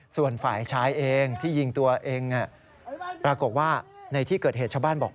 ส่วนฝ่ายชายเองที่ยิงตัวเองปรากฏว่าในที่เกิดเหตุชาวบ้านบอก